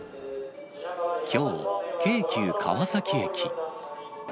きょう、京急川崎駅。